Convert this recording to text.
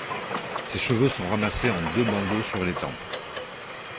Ses cheveux sont ramassés en deux bandeaux sur les tempes.